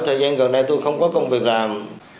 thời gian gần đây tôi không có công việc làm